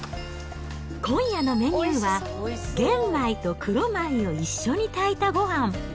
今夜のメニューは、玄米と黒米を一緒に炊いたごはん。